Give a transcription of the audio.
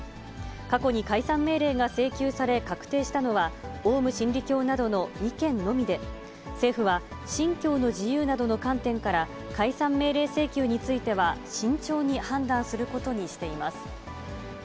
過去に解散命令が請求され、確定したのは、オウム真理教などの２件のみで、政府は、信教の自由などの観点から、解散命令請求については慎重に判断することにしています。